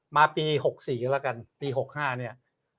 มาปี๖๔กันแล้วกันปี๖๕เนี่ย